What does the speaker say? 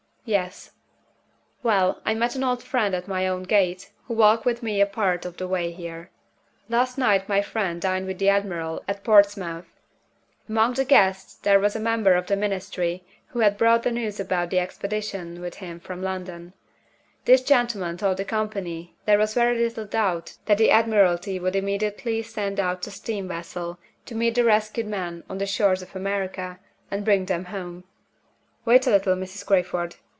"Yes." "Well, I met an old friend at my own gate, who walked with me a part of the way here. Last night my friend dined with the admiral at Portsmouth. Among the guests there was a member of the Ministry who had brought the news about the Expedition with him from London. This gentleman told the company there was very little doubt that the Admiralty would immediately send out a steam vessel, to meet the rescued men on the shores of America, and bring them home. Wait a little, Mrs. Crayford!